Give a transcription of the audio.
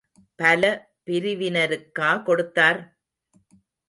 பல பிரிவினருக்கா கொடுத்தார்?